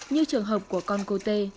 như trường hợp của con cô t